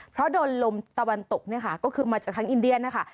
เพราะโดนลมตะวันตกเนี่ยค่ะก็คือมาจากทั้งอินเดียนะคะ